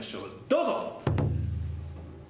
どうぞ。